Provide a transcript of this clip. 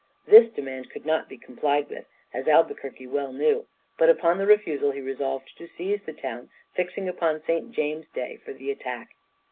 This demand could not be complied with as Albuquerque well knew; but upon the refusal he resolved to seize the town, fixing upon St. James' day for the attack.